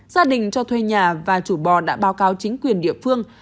gia đình cho thuê nhà và chủ bò đã báo cáo chính quyền địa phương